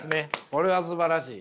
これはすばらしい。